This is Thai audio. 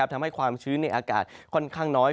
ทำให้ความชื้นในอากาศค่อนข้างน้อย